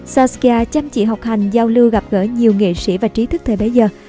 saskia chăm chỉ học hành giao lưu gặp gỡ nhiều nghệ sĩ và trí thức thời bấy giờ